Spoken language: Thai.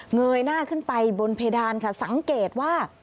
เงยหน้าขึ้นไปบนเพดานค่ะสังเกตว่า